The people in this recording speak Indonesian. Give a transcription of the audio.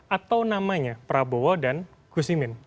atau namanya prabowo dan gus imin